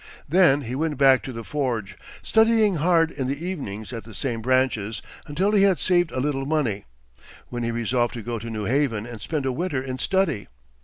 Then he went back to the forge, studying hard in the evenings at the same branches, until he had saved a little money; when he resolved to go to New Haven, and spend a winter in study.